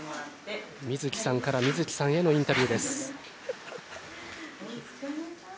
みずきさんから瑞生さんへのインタビューです。